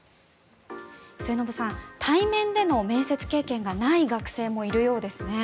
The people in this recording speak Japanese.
末延さん、対面での面接経験がない学生もいるようですね。